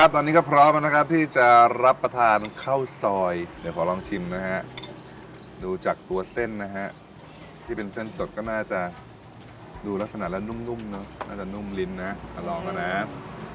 ตอนนี้ก็พร้อมนะครับที่จะรับประทานข้าวซอยเดี๋ยวขอลองชิมนะฮะดูจากตัวเส้นนะฮะที่เป็นเส้นสดก็น่าจะดูลักษณะแล้วนุ่มเนอะน่าจะนุ่มลิ้นนะมาลองกันนะ